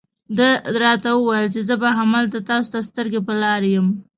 ده راته وویل چې زه به همدلته تاسو ته سترګې په لار یم.